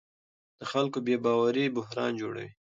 د خلکو بې باوري بحران جوړوي